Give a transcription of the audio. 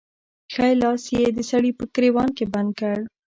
ښی لاس يې د سړي په ګرېوان کې بند کړ.